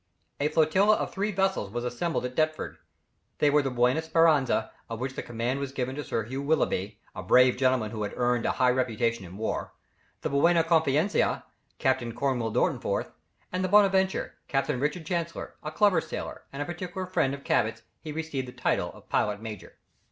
A flotilla of three vessels was assembled at Deptford. They were the Buona Speranza, of which the command was given to Sir Hugh Willoughby, a brave gentleman who had earned a high reputation in war; the Buona Confidencia, Captain Cornil Durforth; and the Bonaventure, Captain Richard Chancellor, a clever sailor, and a particular friend of Cabot's; he received the title of pilot major.